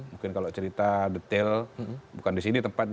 mungkin kalau cerita detail bukan di sini tepat